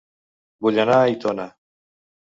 Vull anar a Aitona